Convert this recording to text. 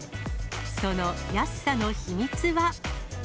その安さの秘密は。